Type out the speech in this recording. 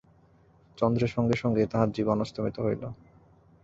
চন্দ্রের সঙ্গে সঙ্গেই তাঁহার জীবন অস্তমিত হইল।